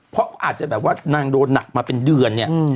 เพราะอาจจะแบบว่านางโดนหนักมาเป็นเดือนเนี่ย